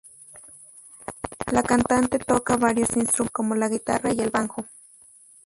La cantante toca varios instrumentos, como la guitarra y banjo.